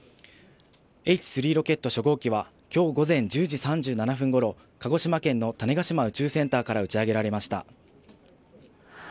Ｈ３ロケット初号機は、きょう午前１０時３７分ごろ、鹿児島県の種子島宇宙センターから打ち上げられました。